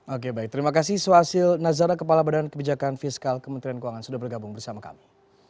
oke baik terima kasih suhasil nazara kepala badan kebijakan fiskal kementerian keuangan sudah bergabung bersama kami